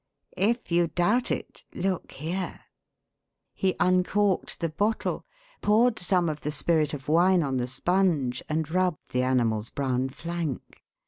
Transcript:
If you doubt it, look here." He uncorked the bottle, poured some of the Spirit of Wine on the sponge and rubbed the animal's brown flank.